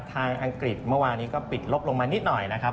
อังกฤษเมื่อวานนี้ก็ปิดลบลงมานิดหน่อยนะครับ